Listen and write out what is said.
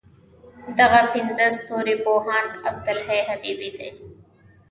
دغه پنځه ستوري پوهاند عبدالحی حبیبي دی.